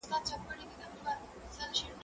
زه به سبا شګه پاکوم؟